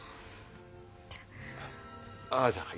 ああじゃあはい。